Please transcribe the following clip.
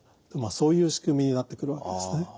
そういう仕組みになってくるわけですね。